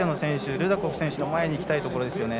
ルダコフ選手の前にいきたいところです。